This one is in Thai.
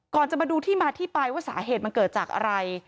จะมาดูที่มาที่ไปว่าสาเหตุมันเกิดจากอะไร